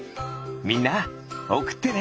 みんなおくってね！